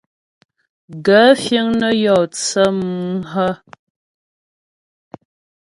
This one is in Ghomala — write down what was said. Gaə̂ fíŋ nə́ yɔ tsə́ mú hə́ ?